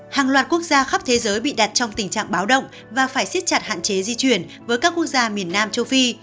hàng loạt quốc gia khắp thế giới bị đặt trong tình trạng báo động và phải siết chặt hạn chế di chuyển với các quốc gia miền nam châu phi